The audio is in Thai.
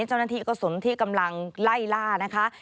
เจ้าหน้าที่กระสุนที่กำลังไล่ล่านะคะ